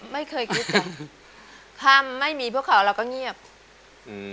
ไม่เคยคิดกันถ้าไม่มีพวกเขาเราก็เงียบอืม